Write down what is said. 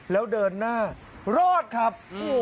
แล้วเดินหน้ารอดครับ